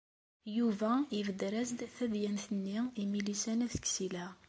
Yuba yebder-as-d tadyant-nni i Milisa n At Ksila.